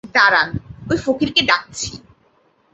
দাঁড়ান, ওই ফকিরকে ডাকছি।